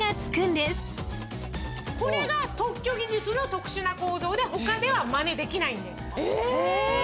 これが特許技術の特殊な構造で他ではまねできないんです。え！